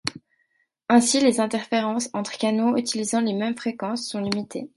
Ainsi, les interférences entre canaux utilisant les mêmes fréquences sont limitées.